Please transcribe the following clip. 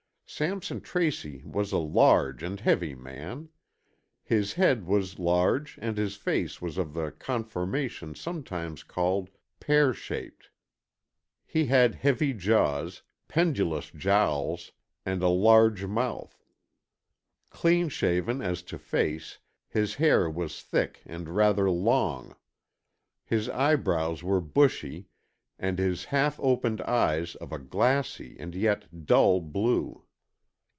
Sampson Tracy was a large and heavy man. His head was large, and his face was of the conformation sometimes called pear shaped. He had heavy jaws, pendulous jowls and a large mouth. Clean shaven as to face, his hair was thick and rather long. His eyebrows were bushy, and his half opened eyes of a glassy and yet dull blue.